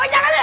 oh jangan lek